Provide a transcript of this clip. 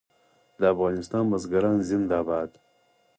د افغانستان بزګران زنده باد.